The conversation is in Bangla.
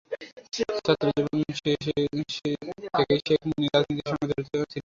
ছাত্রজীবন থেকেই শেখ মনি রাজনীতির সঙ্গে জড়িত ছিলেন।